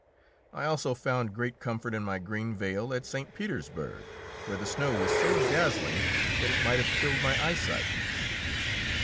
I also found great comfort in my green veil at St. Petersburg, where the snow was so dazzling that it might have killed my eyesight.